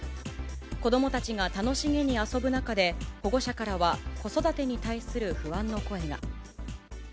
子どもたちが楽しげに遊ぶ中で、保護者からは子育てに対する不安の声が。